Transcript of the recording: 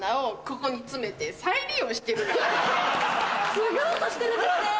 すごいことしてるんですね！